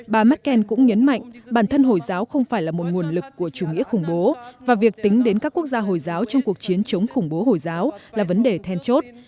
bà merkel cũng nhấn mạnh bản thân hồi giáo không phải là một nguồn lực của chủ nghĩa khủng bố và việc tính đến các quốc gia hồi giáo trong cuộc chiến chống khủng bố hồi giáo là vấn đề then chốt